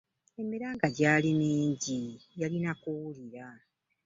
Emiranga gyali mingi yalina kuwulira.